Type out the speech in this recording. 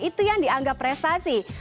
itu yang dianggap prestasi